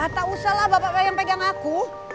tak usah lah bapak pegang pegang aku